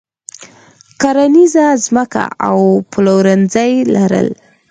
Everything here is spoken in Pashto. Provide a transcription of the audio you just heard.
کرنیزه ځمکه او پلورنځي لرل.